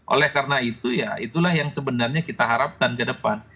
oleh karena itu ya itulah yang sebenarnya kita harapkan ke depan